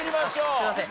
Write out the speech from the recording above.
すいません。